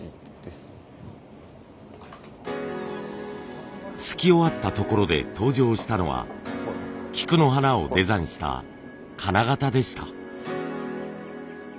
すき終わったところで登場したのは菊の花をデザインした金型でした。